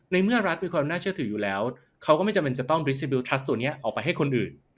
เมื่อรัฐมีความน่าเชื่อถืออยู่แล้วเขาก็ไม่จำเป็นจะต้องบริซิบิลทัสตัวนี้ออกไปให้คนอื่น